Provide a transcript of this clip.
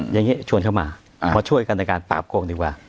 อย่างนี้ชวนเข้ามามาช่วยกันในการปราบโกงดีกว่า